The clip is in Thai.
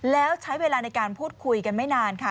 แล้วใช้เวลาในการพูดคุยกันไม่นานค่ะ